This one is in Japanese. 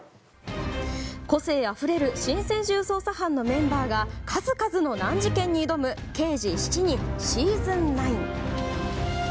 個性あふれる新専従捜査班のメンバーが数々の難事件に挑む「刑事７人」シーズン９。